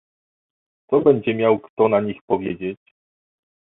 "Co będzie miał kto na nich powiedzieć?"